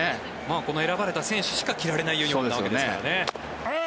この選ばれた選手しか着られないユニホームなわけですからね。